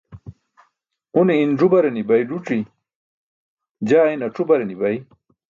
Une in ẓu-bare ni̇bay ẓuci, jaa in ac̣u-bare ni̇bay.